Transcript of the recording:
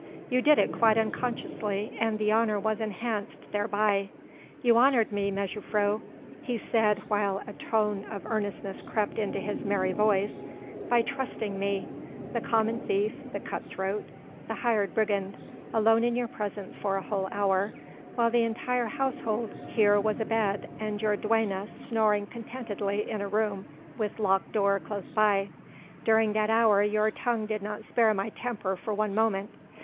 You did it quite unconsciously and the honour was enhanced thereby. You honoured me, mejuffrouw," he said while a tone of earnestness crept into his merry voice, "by trusting me the common thief, the cut throat, the hired brigand, alone in your presence for a whole hour, while the entire household here was abed and your duenna snoring contentedly in a room with locked door close by. During that hour your tongue did not spare my temper for one moment.